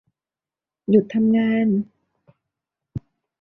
หยุดทำงาน